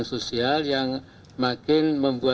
tapi kita harus tarik memori